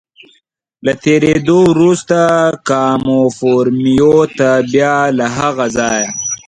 له تېرېدو وروسته کاموفورمیو ته، بیا له هغه ځایه.